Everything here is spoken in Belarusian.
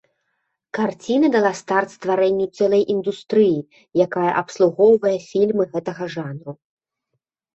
Карціна дала старт стварэнню цэлай індустрыі, якая абслугоўвае фільмы гэтага жанру.